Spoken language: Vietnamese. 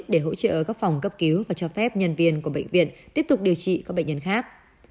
để hỗ trợ các phòng cấp cứu và cho phép nhân viên của bệnh viện tiếp tục điều trị các bệnh nhân khác